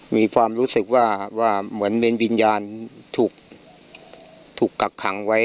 มีความรู้สึกว่าว่าเหมือนเป็นวิญญาณถูกกักขังไว้